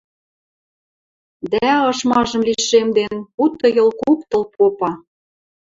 дӓ, ышмажым лишемден, путыйыл-куктыл попа: